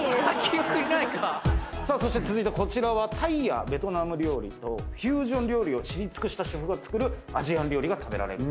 そして続いてこちらはタイやベトナム料理とフュージョン料理を知り尽くしたシェフが作るアジアン料理が食べられる。